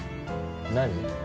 何？